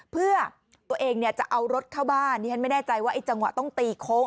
เพื่อตัวเองเนี่ยจะเอารถเข้าบ้านดิฉันไม่แน่ใจว่าไอ้จังหวะต้องตีโค้ง